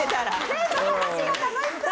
全部話が楽しそう！